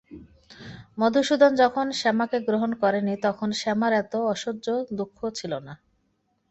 মধুসূদন যখন শ্যামাকে গ্রহণ করে নি তখন শ্যামার এত অসহ্য দুঃখ ছিল না।